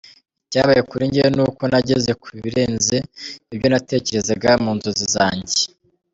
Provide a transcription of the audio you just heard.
Icyabaye kuri njyewe ni uko nageze ku birenze ibyo natekerezaga mu nzozi zanjye.